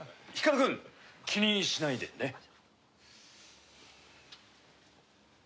光くん気にしないでね。